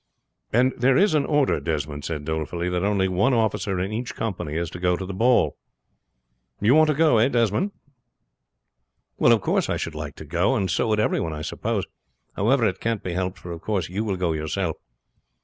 "And there is an order," Desmond said dolefully, "that only one officer in each company is to go to the ball." "You want to go eh, Desmond?" "Well, of course I should like to go, and so would everyone I suppose, however, it can't be helped; for of course you will go yourself."